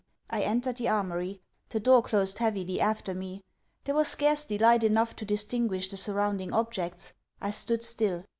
I entered the Armoury. The door closed heavily after me. There was scarcely light enough to distinguish the surrounding objects. I stood still.